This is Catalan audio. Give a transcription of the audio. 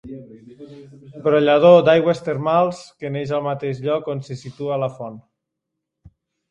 Brollador d'aigües termals que neix al mateix lloc on se situa la font.